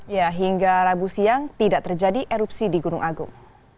ya hingga rabu siang tidak terjadi erupsi di gunung agung